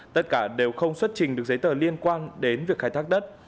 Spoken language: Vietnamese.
tất cả đều không xuất trình được giấy tờ liên quan đến việc khai thác đất